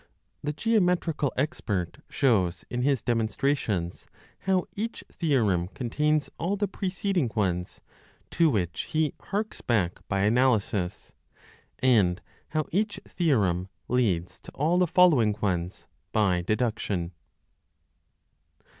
The geometrical expert shows in his demonstrations how each theorem contains all the preceding ones, to which he harks back by analysis, and how each theorem leads to all the following ones, by deduction.